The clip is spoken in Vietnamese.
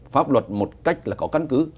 pháp luật một cách là có căn cứ